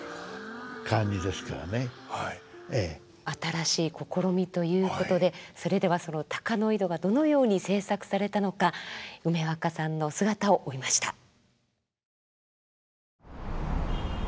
新しい試みということでそれではその「鷹の井戸」がどのように制作されたのか梅若さんの姿を追いました。